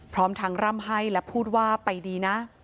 พร้อมทั้งร่ำให้และพูดว่าไปดีนะ